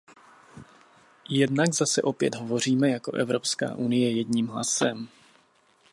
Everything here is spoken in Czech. Jednak zase opět hovoříme jako Evropská unie jedním hlasem.